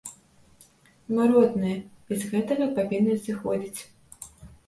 Мы родныя, і з гэтага павінны зыходзіць.